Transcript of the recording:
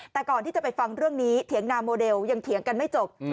แต่ก่อนที่จะไปฟังเรื่องนี้เถียงนาโมเดลยังเถียงกันไม่จบ